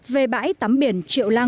về bãi tấm biển triệu lăng